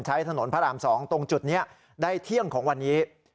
ใช้ถนนพระราม๒ตรงจุดนี้ได้เที่ยงของวันนี้